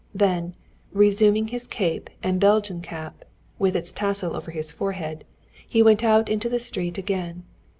Then, resuming his cape and Belgian cap, with its tassel over his forehead, he went out into the street again.